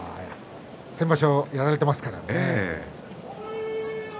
先場所やられていますからね。